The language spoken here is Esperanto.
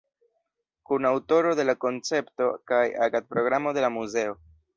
Kunaŭtoro de la koncepto kaj agad-programo de la muzeo.